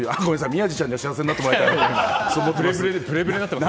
宮司ちゃんには幸せになってもらいたいと思います。